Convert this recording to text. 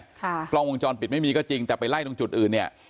กล้องวงจรปิดไม่มีก็จริงแต่ไปไล่ตรงจุดอื่นเนี่ย